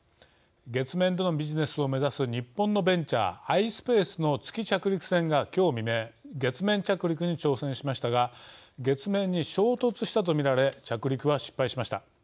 月面でのビジネスを目指す日本のベンチャーアイスペースの月着陸船が今日未明月面着陸に挑戦しましたが月面に衝突したと見られ着陸は失敗しました。